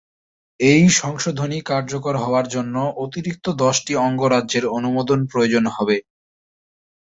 এই সংশোধনী কার্যকর হওয়ার জন্য অতিরিক্ত দশটি অঙ্গরাজ্যের অনুমোদন প্রয়োজন হবে।